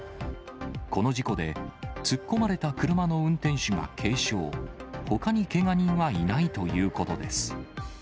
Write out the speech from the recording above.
この事故で、突っ込まれた車の運転手が軽傷、ほかにけが人はいないということです。